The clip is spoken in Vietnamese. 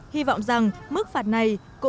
hy vọng rằng mức phạt này